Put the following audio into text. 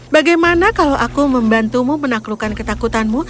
bagaimana kalau aku membantumu menaklukkan ketakutanmu